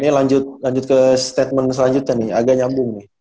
ini lanjut ke statement selanjutnya nih agak nyambung nih